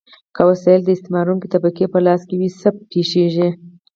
که وسایل د استثمارونکې طبقې په لاس کې وي، څه پیښیږي؟